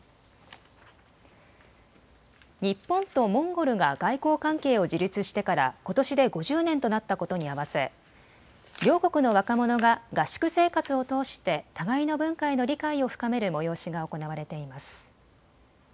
日本とモンゴルが外交関係を樹立してからことしで５０年となったことに合わせ、両国の若者が合宿生活を通して互いの文化への理解を深める催しが行われています。